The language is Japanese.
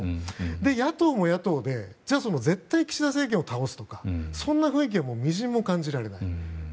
野党も野党で絶対、岸田政権を倒すとか、そんな雰囲気はみじんも感じられない。